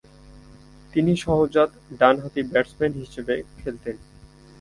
তিনি সহজাত ডানহাতি ব্যাটসম্যান হিসেবে খেলতেন।